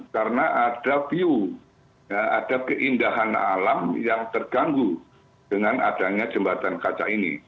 karena ada view ada keindahan alam yang terganggu dengan adanya jembatan kaca ini